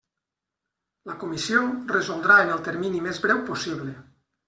La Comissió resoldrà en el termini més breu possible.